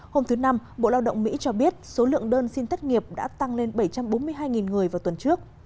hôm thứ năm bộ lao động mỹ cho biết số lượng đơn xin tất nghiệp đã tăng lên bảy trăm bốn mươi hai người vào tuần trước